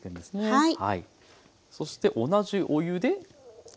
はい。